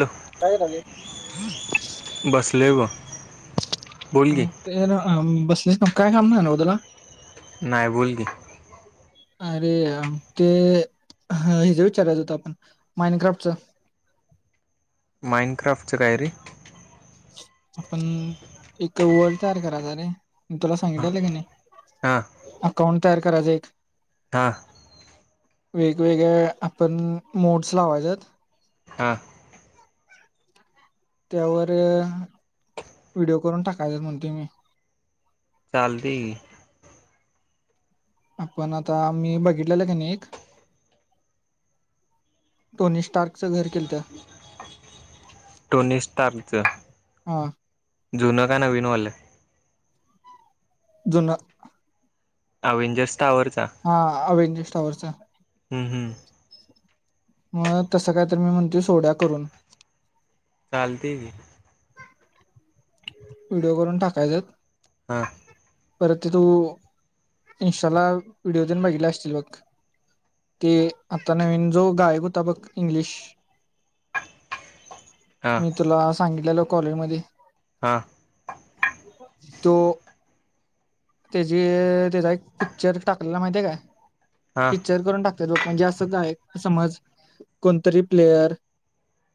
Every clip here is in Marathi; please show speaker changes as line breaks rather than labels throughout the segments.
ल
काय करायले?
बसलय ब. बोल
अ
की
ते न अ बालईस न्हव काय काम नाही न्हव तुला?
नाय बोल की.
अरे आम ते हा हे ज विचारायच होत आपण माइन क्राफ्टच.
माईन क्राफ्टच कायरे?
आपण एक वर्ल्ड तयार कराचा रे. मी तुला
हां
सांगितल्यालं कनी
हां
अकाउंट तयार करायच एक.
हां
वेग
हा
[inaudible] त्यावर व्हिडिओ करून टाकायच म्हणतोय मी
चालतय की
आपण आता मी बघितलेलं कणी एक टोनी स्टार्क चं घर केलंत
टोनी स्टार्कच
हा
जुन का नवीनवाल
जुन
अवेंजर्स
हा अवेंजस टावरच
हम्म हम्
मग तसं काय तर मी म्हणतोय सोडूया करून
चालते की
व्हिडिओ करून टाकायचा.
हा.
परत ते तू इंस्टाला व्हिडिओ तेन बघितला असशील बघ ते आता नवीन जो गायक होता बघ इंग्लिश
हां
मी तुला सांगितलेलो कॉलेज मध्ये
हां
तो त्याची त्याचा एक पिक्चर टाकलेला माहितीय का
हां
पिक्चर करून टाक तरी रोक म्हणजे असं गायक समज कोणतरी प्लेयर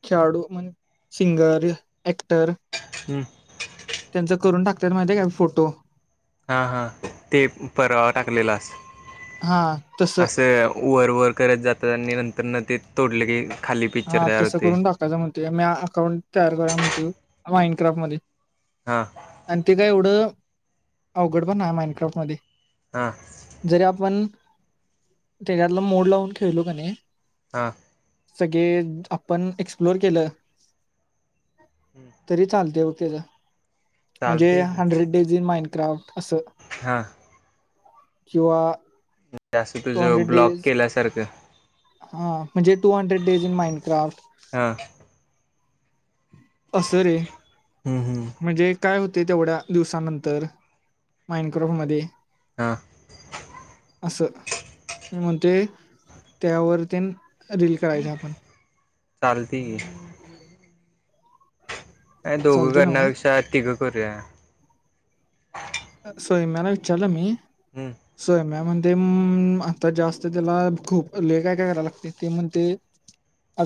खेळाडू म्हण सिंगर, एक्टर
हम्म
त्यांचा करून टाकत्यात माहिती आहे काय फोटो.
हा हा ते परवा टाकलेलास.
हा तसं
असं वर वर करत जातांनी नंतर ने ते तोडले के
हा तसं करून टाकायच म्हणतोय मी अकाउंट तयार करूया म्हणतोय माइंडक्राफ्ट मध्ये
हां
आणि ते काय एवढं अवघड नाय पण माइंडक्राफ्ट मध्ये
हां
जरी आपण त्याच्यातलं मोड लावून खेळलो क नाही
हा.
सगळे आपण एक्सप्लोर केलं तरी चालतय. त्याचा म्हणजे
चालते की
hundred days in Minecraft असं
हां ते
किंवा
त्या असं
टू
तुझ
हंड्रेड
ब्लॉग
डेज
केल्यासारखं.
हा म्हणजे two hundred days in Minecraft
हां
असं रे
हम्म हम्म
म्हणजे काय होतेय तेवढ्या दिवसानंतर माईंड क्रॉफ मध्ये
हां.
असं मी म्हणतोय त्यावरतीन रिल करायच आपण
चालतय की. काय दोघ
चालते ना मग
करण्यापेक्षा अ तिग करूया.
सोयम्याला विचारलो मी
हम्म
सोयम्या म्हण ते आता जास्त त्याला खूप लय काय करायला लागतय ते म्हणते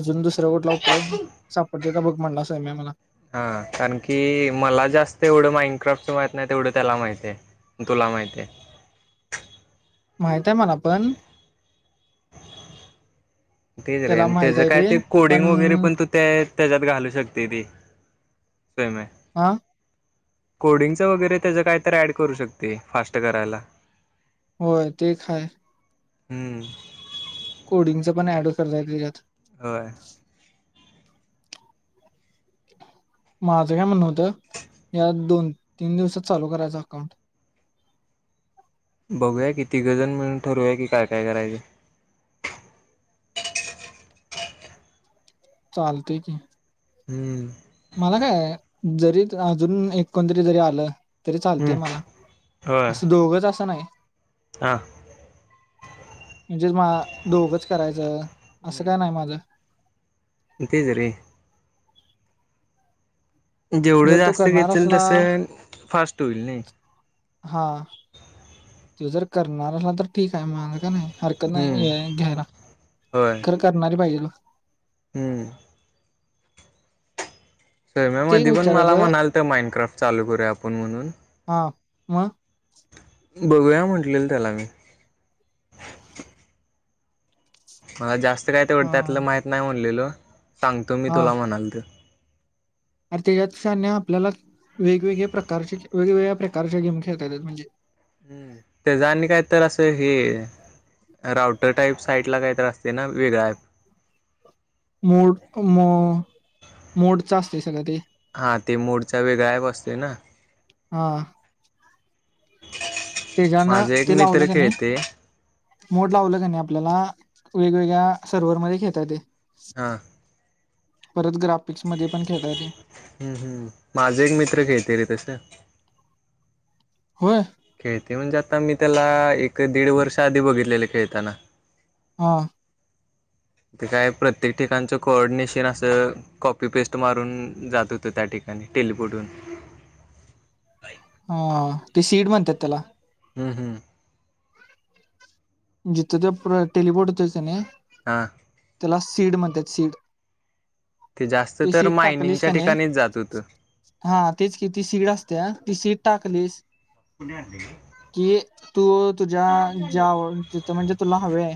अजून दुसरा कुठला उपाय सापडतोय का बघ म्हणला सोयम्या मला.
हा कारण की मला जास्त एवढं माइंक्राफ्टच माहित नाही तेवढं त्याला माहित आहे तुला माहितीये.
माहिते आहे मला पण
तेच रे
त्याला
आणि
माहित
त्याजा
आहे
काय ते
पण
कोडिंग वगैरे पण तू त्या त्याच्यात घालू शकते ती सोयम्या
हा
कोडिंगचं वगैरे त्याचं काय तर ऍड करू शकते फास्ट करायला.
होय ते एक हाय
हम्म.
कोडिंगचा पण ऍड करताय त्याच्यात.
होय.
माझं काय म्हणण होतं या दोन तीन दिवसात चालू करायच अकाउंट.
बघूया कि तीघजण मिळून ठरूया की काय काय करायचं.
चालतय की.
हम्म.
मला काय जरी त अजून एक कोणतरी जरी आलं तरी चालते
हम्म
मला
होय
असं दोघच असं नाही.
हा.
म्हणजेच मा दोघंच करायचं असं काय नाही माझा.
इ तज रे जेवढं
जर तो
जास्त
करणार
घेतल
असला
तसं फास्ट होईल नाही
हा तो जर करणार असला तर ठीक आहे माझं का नाही हरकत
हम्म
नाही घ्यायला
होय.
खरं करणारी पाहिजे ल
हम्म
ते एक
सैम्यामध्ये पण मला
विचारायचं
म्हणाल तर माइनक्राफ्ट चालू करू आपण म्हणून
म
बघूया म्हटलेल त्याला मी मला जास्त काय तेवटतं त्यातलं
हा
माहित नाही म्हणलेल सांगतो मी तुला म्हणाल तर
अर त्याच्यातक्षने आपल्याला वेगवेगळ्या प्रकारचे वेगवेगळ्या प्रकारच्या गेम खेळता म्हणजे
त्याचा आणि काय तर असं हे राऊटर टाईप साईटला काहीत असते ना वेगळां ऍप
मोड मोडच असत सगळं ते
हा ते मोडचा वेगळा आहे बसते ना
हा तेच्यान
माझा एक
ते लावलं
मित्र
क
खेळते
नाही मोड लावलं का नाही आपल्याला वेगवेगळ्या सर्व्हमध्येध्ये घेताात
हा
परत गरा
हम्म हम्म माझे एक मित्र खेळते रे तस
होय
तेऊन जाता मी त्याला एक दीड वर्ष आधी बघितलेले खेळताना
हा
ते काय प्रत्येक ठिकाणच कोऑर्डिनेशन असं कॉपी पेस्ट मारून जात होतं त्या ठिकाणी टेललीपडून
ह ते सीड म्हणतात त्याला
हम्म हम्म
जिथं ते टेलपोडतच ना
हा
त्याला सीड म्हणतात सीड
ते जास्त तर
सीड टाकलीस
मायनिंगच्या
का नाही
ठिकाणीच जात होत
हा तीच किती सीड असते ती सीड टाकलीस
पुण्यातील
की तू तुझ्या ज्या तिथं म्हणजे तुला हवे आहे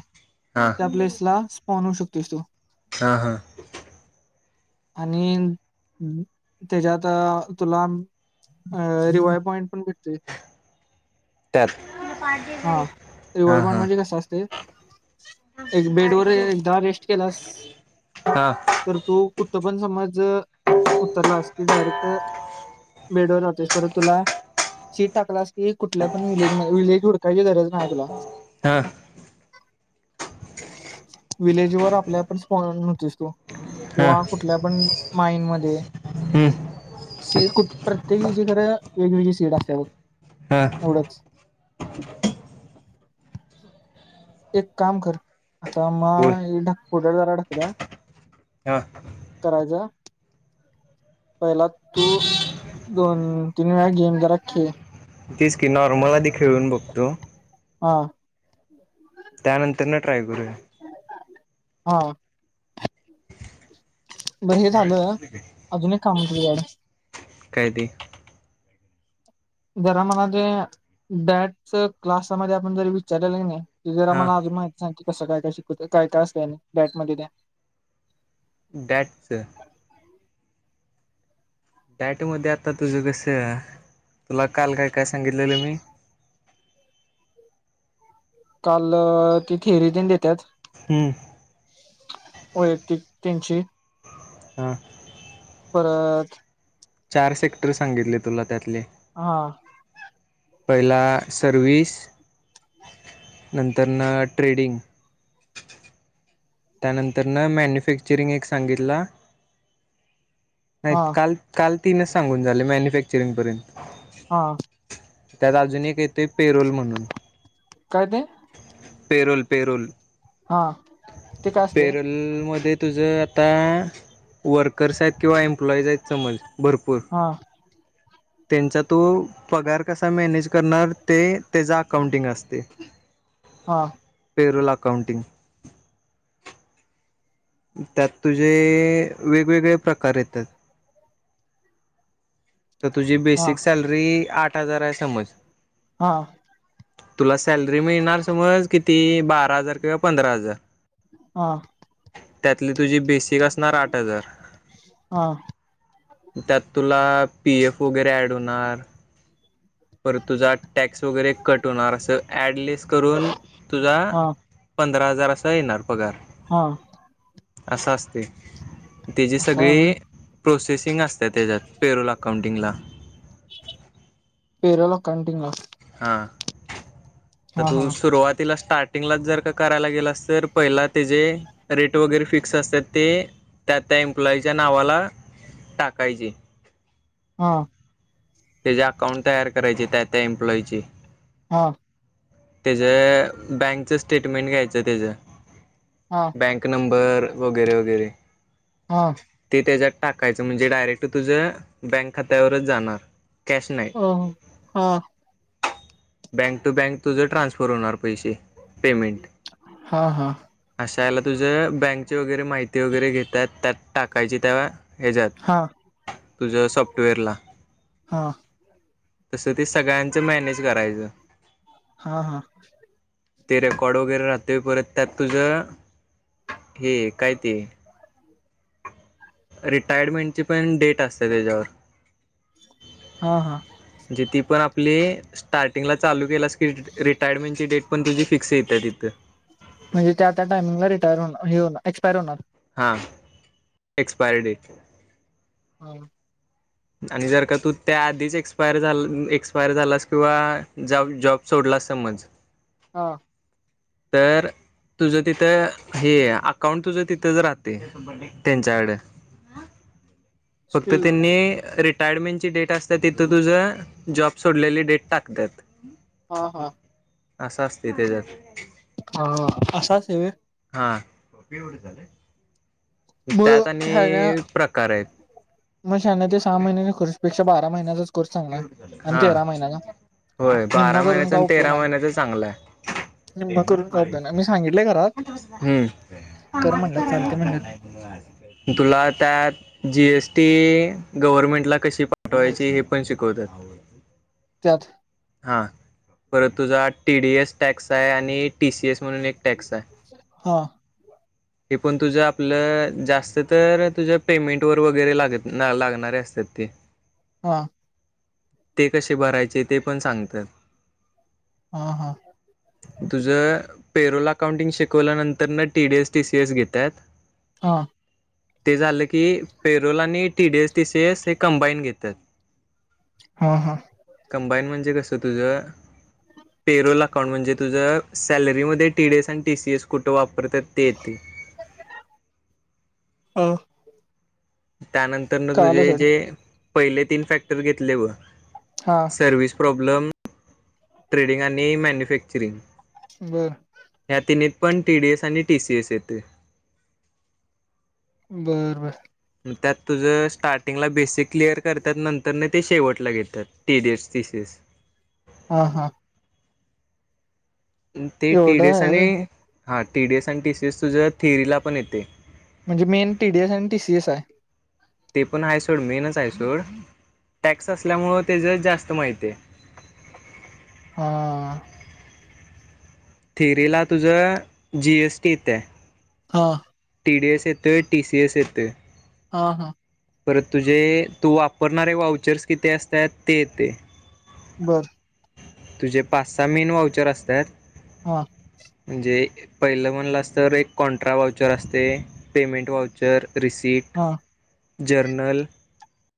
हां
त्या प्लेसला आणु शकोस तु
हा हा
आणि त्यांच्यात तुला अ रिवाय पॉईंट पण भेटतात
त्यात
हा रिवाय
हां
पाँइंट
हां
म्हणजे कसं असते एक बेड वर एकदा रेस्ट केलास
हां
तर तू कुठं पण समज उतरलास की डायरेक्ट बेडवर राहतोस परत तुला शीट टाकलास की कुठल्या पण व्हिलेजमध्ये व्हिलेजवर टाकायची गरज नाही तुला
हां
व्हिलेजवर आपल्या आपण पॉन्हस होतोस तु
हां
किंवा कुठल्या पण माइंन मध्ये
हम्म
[unintelligible] वेगवेगळी सीट असतीया बघ
हां
एवढंच [unintelligible]
बोल हां
करायचं. पहिला तू दोन तीन वेळा घेऊन जरा खेळ
तेचं की नॉर्मल आधी खेळून बघतो.
हा.
त्यानंतर न ट्राय करूया
हा. बरं हे झालं अजून एक काम होतं तुझ्याकडं.
काय ते
जरा मला ते डॅटच क्लासामध्ये आपण जरा विचारलेलं कनी ते जरा
हां
मला अजून माहिती सांग की कसं काय काय शिकवते काय काय असतं आणि बँचमध्ये त्या
डँटच. डाँटमध्ये आता तुझं कसं तुला काल काय काय सांगितलेलं मी
[inaudible] काल ती थेरी तेन देत्यात
हम्म
वैयक्तिक तेनची.
हा.
परत
चार सेक्टर सांगितले तुला त्यातले
हा.
पहिला सर्व्हिस. नंतर न ट्रेडिंग. त्यानंतर न मॅन्युफॅक्चुरिंग एक सांगितलं. नाही
हा
काल काल तीनच सांगून झाले मॅन्युफॅक्चुरिंग पर्यंत
हा.
त्यात अजून एक येतोय पेरोल म्हणून
काय ते
पेरोल पेरोल
हा ते काय असते
पेरोलमध्ये तुझं आता वर्कर्स आहेत किंवा एम अप्लाईज आहेत समज भरपूर
हा
त्यांचा तू पगार कसा मॅनेज करणार ते त्याचं अकाउंटिंग असतय.
हा.
पेरोल अकाऊंटिंग त्यात तुझे वेगवेगळे प्रकार येतात. तर तुझी
हा
बेसिक सॅलरी आठ हजार आहे समज.
हा.
तुला सॅलरी मिळणार समज किती बारा हजार किंवा पंधरा हजार.
हा.
त्यातली तुझी बेसिक असणार आठ हजार
हा
त्यात तुला पी एफ वगैरे ऍड होणार. पर तुझा टॅक्स. वगैरे कट होणार अस ऍड लिस्ट करून तुझा
हा
पंधरा असा येणार पगार.
हा.
असं असते त्याची
असं आहे
सगळी
व्हय
प्रोसेसिंग असते. त्या त्याच्यात पेरूला काउंटिंगला
पेरूल अकाउंटिंग
हा तर
हा
तू
हा
सुरुवातीला स्टार्ट [unintelligible] जर का करायला गेला अस तर पहिला ते जे रेट वगैरे फिक्स असतात ते. त्या त्या एम्प्लॉईच्या नावाला टाकायची.
हा.
त्याच्या अकाउंट तयार करायचे त्या त्या एम्प्लॉईची.
हा.
त्याच बँकचं स्टेटमेंट घ्यायचं त्याच
हा
बँक नंबर वगैरे वगैरे
हा.
ते त्याच्यात टाकायच म्हणजे डायरेक्ट तुझ बँक खात्यावरच जाणार. कॅश नाही
अ हा
बँँक टू बँक तुझं ट्रान्सफर होणार पैसे. पेमेंट
हा हा
असायला, तुझं बँक ची वगैरे माहिती वगैरे घेतात त्यात टाकायची तेव्हा हेजात
हा
तुझ्या सॉफ्टवेअरला.
हां.
तसं ते सगळ्यांचं मॅनेज करायचं.
हा हा.
ते रेकॉर्ड वगैरे राहतोय परत त्यात, तुझ हे काय ते रिटायरमेंटची पण डेट असते त्याच्यावर.
हा हा.
म्हणजे ती पण आपली स्टार्टिंगला चालू केलीस की रिटायरमेंट डेट तुझी फिक्स येत तिथं!
म्हणजे त्या त्या टाइमिंगला रिटायर होणार हे होणार एक्सपायर होणार.
हां एक्सपयरी डेट!
[inaudible]
आणि जर का तू त्या आधीच एक एक्सपायर झालास, किंवा जॉब सोडला स संमज
हा.
तर तुझं तिथं हे अकाउंट तुझं तिथंच राहते त्यांच्याकडे.
[inaudible]
फक्त
स्टील
त्यांनी री टायरमेंटची डेट असते तिथं तुझं जॉब सोडलेली डेट टाकतात.
हा हा.
असं असते त्याच्यात.
हा अस असतयं होय?
हा.
मग
त्यात आणि
ह्याना
प्रकार आहेत.
मग शान सहा महि्यानी कोर्स पेक्षा बारा महिन्याच
हा होय बारा
निम्म करून
महिन्याच
काय
आणि
उपयोग
तेरा
नाही
महिन्याच चांगलं आहे.
निम्म करून काय उपयोग नाही मी सांगितलंय घरात
[inaudible]
कर म्हणल्यात चालते म्हणल्यात
तुला त्यात जीएसटी गव्हर्मेंटला कशी पाठवायची हे पण शिकवतात.
त्यात
हा परत तुझा टीडीएस टॅक्स आहे आणि टीसीएस म्हणून एक टॅक्स आहे.
हा.
हे पण तुझं आपलं जास्त तर तुझ्या पेमेंट वर वगैरे ला लागणार असत्यात ते.
हा.
ते कसे भरायचे ते पण सांगतात.
हा हा
तुझं पेरोल अकाउंटिंग शिकवल्यानंतर ना टीडीएस टीसीएस घेतात.
हा.
ते झालं की पेरोल आणि टीडीएस टीसी एस हे कंबाईन घेतात.
हा हा
कंबाईन म्हणजे कसं तुझ. पेरोोल अकाउंट म्हणजे तुझं सॅलरीमध्ये टीडीस आणि टीसीएस कुठे वापर. परत्यात ते येतंय
हम
त्यानंतर तुझे जे पहिले तीन फॅक्टर घेतले
हा
सरविस प्रा ट्रेडंग आणि मनॅरंग
बर
ह ति पण टीडीएस आणि टीसीएस येतेय.
बर बर
त्यात तुझं स्टार्टिंगला बेसिक क्लिअर करतात नंतर नाही ते शेवटला घेतात टीडिएस टीसीएस.
हा हा
ते
एवढं
टीडीएस
आहे
आणि
होय
हा टीडीएस आणि टीसीएस तुझ्या थिअरीला पण येते.
म्हणजे मेन टीडीएस आणि टीसीएस आहे.
ते पण आहेाय सोड मेनच आहेय सोड. टॅक्स असल्यामुळं त्याच जास्त माहिती आहे.
हा
थिरीला तुझं जीएसटी येत्या
हा
टी डी एस येत टी सी एस येते.
हा हा
परत तुझे तू वापरणारे वाउचर्स किती असतात ते येते.
बर
तुझे पाच सहा मेन वाउचर असतात.
हा
म्हणजे पहिलं म्हणलं अस तर एक कॉन्ट्रा वाउचर असते पेमेंट वाउचर. रिसिट
हा
जर्नल